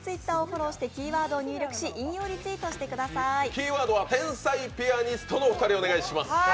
キーワードは天才ピアニストのお二人、お願いします。